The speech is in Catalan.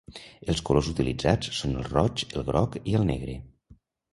Els colors utilitzats són el roig, el groc i el negre.